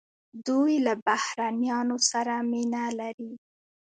دوی له بهرنیانو سره مینه لري.